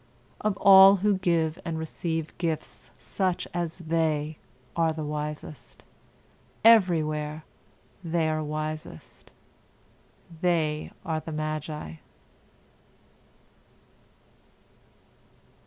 Of all who give and receive gifts, such as they are wisest. Everywhere they are wisest. They are the magi.